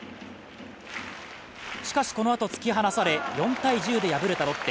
しかしこのあと突き放され４−１０で敗れたロッテ。